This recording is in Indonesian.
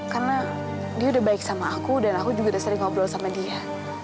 karena dia udah baik sama aku dan aku juga udah sering ngobrol sama dia